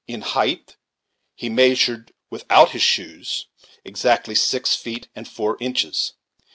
In height he measured, without his shoes, exactly six feet and four inches.